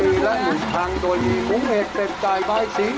ปีละหนึ่งครั้งโดยที่ภูมิเหตุเป็นจ่ายใบสี